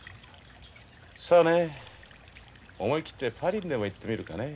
そうね思い切ってパリにでも行ってみるかね。